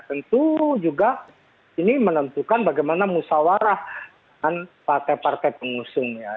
tentu juga ini menentukan bagaimana musawarah dengan partai partai pengusung ya